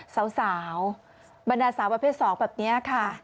สาวบรรดาสาวประเภท๒แบบนี้ค่ะ